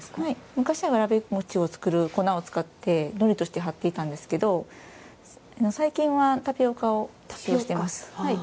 昔はわらびもちを作る粉を使って、のりとしてはっていたんですけど最近はタピオカを使っています。